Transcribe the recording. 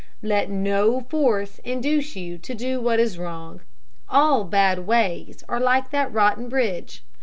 Let no force induce you to do what is wrong. All bad ways are like that rotten bridge.